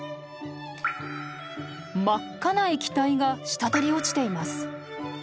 真っ赤な液体が滴り落ちています。